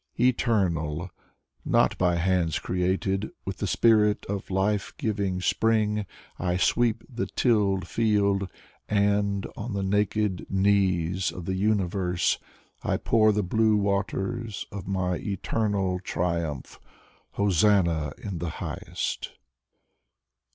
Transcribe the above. Eternal, Not by hands created. With the spirit of Life giving Spring I sweep The tilled field. And On the naked knees of the universe I pour The blue waters Of My Eternal Triumph. Hosannah in the highest!